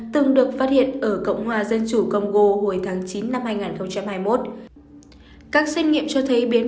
từng được phát hiện ở cộng hòa dân chủ congo hồi tháng chín năm hai nghìn hai mươi một các xét nghiệm cho thấy biến